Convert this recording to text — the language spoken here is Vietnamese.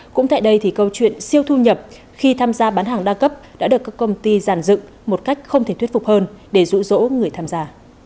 cũng tại đây thì câu chuyện siêu thu nhập khi tham gia bán hàng đa cấp đã được các công ty giàn dựng một cách không thể thuyết phục hơn để rụ rỗ người tham gia